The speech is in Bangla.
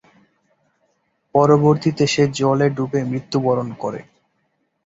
পরবর্তীতে সে জলে ডুবে মৃত্যুবরণ করে।